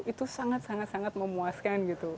itu sangat sangat memuaskan gitu